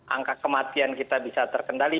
angka kematian kita bisa terkendali